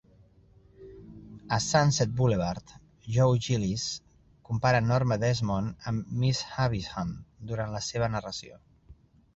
A "Sunset Boulevard", Joe Gillis compara Norma Desmond amb Miss Havisham durant la seva narració.